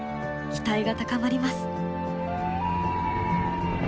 期待が高まります！